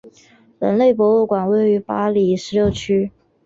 人类博物馆位于巴黎十六区。